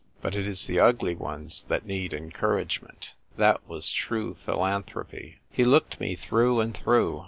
But it is the ugly ones that need encouragement.' That was true philanthropy." He looked me through and through.